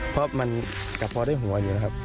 เพราะมันกระเพาะด้วยหัวอยู่นะครับ